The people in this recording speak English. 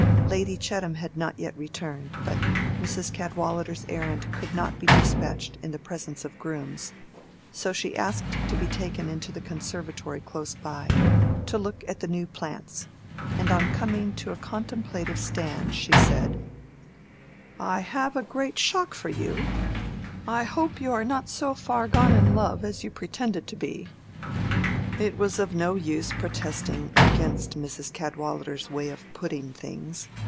Lady Chettam had not yet returned, but Mrs. Cadwallader's errand could not be despatched in the presence of grooms, so she asked to be taken into the conservatory close by, to look at the new plants; and on coming to a contemplative stand, she said— "I have a great shock for you; I hope you are not so far gone in love as you pretended to be." It was of no use protesting against Mrs. Cadwallader's way of putting things.